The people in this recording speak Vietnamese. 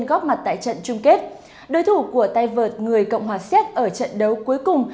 trên góc mặt tại trận chung kết đối thủ của tay vợt người cộng hòa xét ở trận đấu cuối cùng